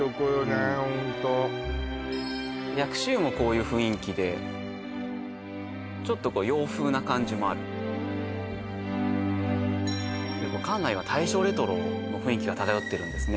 ホント薬師湯もこういう雰囲気でちょっとこう洋風な感じもある館内は大正レトロの雰囲気が漂ってるんですね